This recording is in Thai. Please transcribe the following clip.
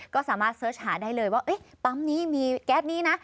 ก็สามารถเสิร์ชหาได้เลยว่าปั๊มนี้มีแก๊สนี้นะ